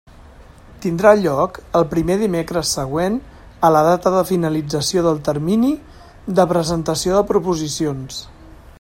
Tindrà lloc el primer dimecres següent a la data de finalització del termini de presentació de proposicions.